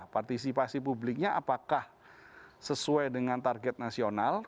partisipasi publiknya apakah sesuai dengan target nasional